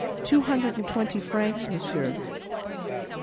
"Two hundred and twenty francs, monsieur."